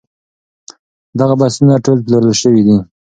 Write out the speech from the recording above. دغه بستونه ټول پلورل شوي دي.